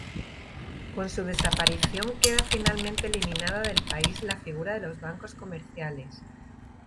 Con su desaparición queda finalmente eliminada del país la figura de los bancos comerciales.